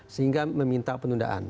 sehingga meminta penundaan